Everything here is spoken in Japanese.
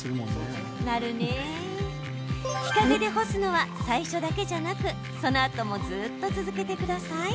日陰で干すのは最初だけじゃなくその後もずっと続けてください。